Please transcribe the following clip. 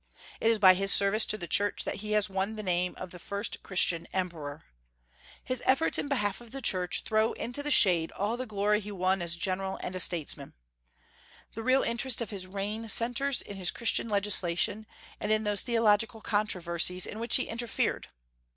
It is by his service to the Church that he has won the name of the first Christian emperor. His efforts in behalf of the Church throw into the shade all the glory he won as a general and as a statesman. The real interest of his reign centres in his Christian legislation, and in those theological controversies in which he interfered.